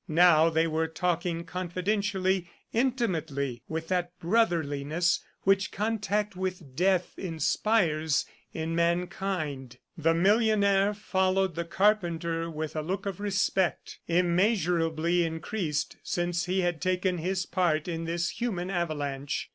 Now they were talking confidentially, intimately, with that brotherliness which contact with death inspires in mankind. The millionaire followed the carpenter with a look of respect, immeasurably increased since he had taken his part in this human avalanche.